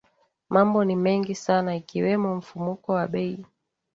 mambo ni mengi sana ikiwemo mfumuko wa bei